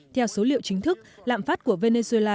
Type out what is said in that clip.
theo số liệu chính thức lạm phát của venezuela